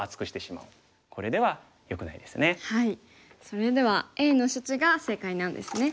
それではＡの処置が正解なんですね。